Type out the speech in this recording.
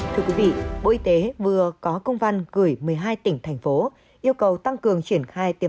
thưa quý vị bộ y tế vừa có công văn gửi một mươi hai tỉnh thành phố yêu cầu tăng cường triển khai tiêm